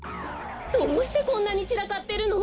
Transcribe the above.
どうしてこんなにちらかってるの？